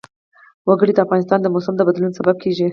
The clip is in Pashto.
وګړي د افغانستان د موسم د بدلون سبب کېږي.